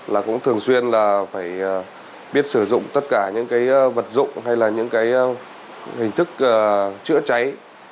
là cũng thường xuyên là phải biết sử dụng tất cả những cái vật dụng hay là những cái hình thức chữa cháy